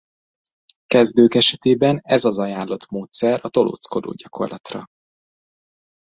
Kezdők esetében ez az ajánlott módszer a tolódzkodógyakorlatra.